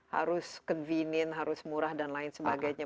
harus convenient harus murah dan lain sebagainya